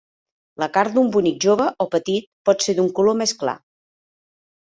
La carn d'un bonic jove o petit pot ser d'un color més clar.